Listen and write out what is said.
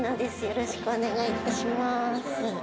よろしくお願いします